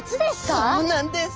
そうなんです。